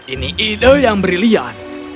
ini ide yang brilian